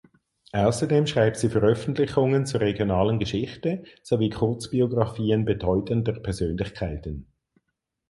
Außerdem schreibt sie Veröffentlichungen zur regionalen Geschichte sowie Kurzbiographien bedeutender Persönlichkeiten.